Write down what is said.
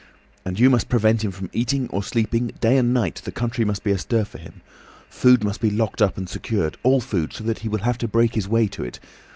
And you must prevent him from eating or sleeping; day and night the country must be astir for him. Food must be locked up and secured, all food, so that he will have to break his way to it.